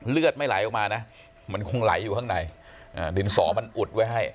เลือดไม่ไหลออกมานะมันคงไหลอยู่ข้างในดินสอมันอุดไว้ให้